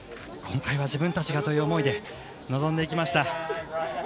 今回は自分たちがという思いで臨んでいきました。